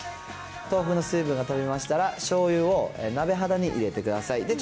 豆腐の水分が飛びましたら、しょうゆを鍋肌に入れてください。